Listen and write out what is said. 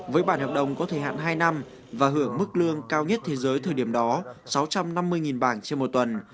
với bản hợp đồng có thời hạn hai năm và hưởng mức lương cao nhất thế giới thời điểm đó sáu trăm năm mươi bảng trên một tuần